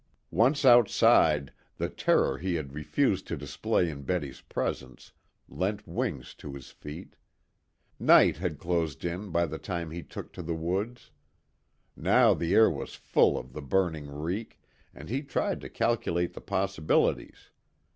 Once outside, the terror he had refused to display in Betty's presence lent wings to his feet. Night had closed in by the time he took to the woods. Now the air was full of the burning reek, and he tried to calculate the possibilities.